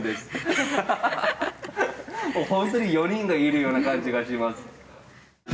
本当に４人がいるような感じがします。